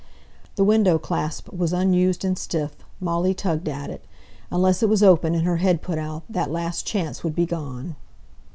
The window clasp was unused and stiff, Molly tugged at it unless it was open, and her head put out, that last chance would be gone.